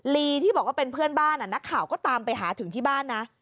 ลีที่บอกว่าเป็นเพื่อนบ้านนักข่าวก็ตามไปหาถึงที่บ้านนะ